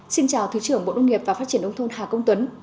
xin chào thứ trưởng bộ nông nghiệp và phát triển nông thôn hà công tuấn